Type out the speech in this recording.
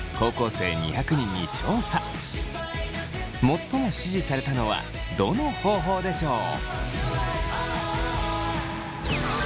最も支持されたのはどの方法でしょう？